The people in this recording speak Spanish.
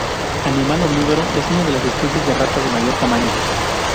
Animal omnívoro, es una de las especies de rata de mayor tamaño.